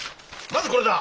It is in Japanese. まずこれだ。